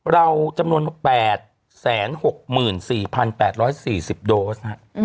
เราจำนวน๘๖๔๘๔๐โดส